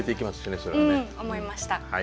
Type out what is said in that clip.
うん思いました。